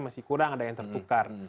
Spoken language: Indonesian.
masih kurang ada yang tertukar